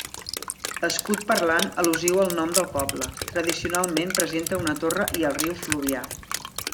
Escut parlant al·lusiu al nom del poble: tradicionalment presenta una torre i el riu Fluvià.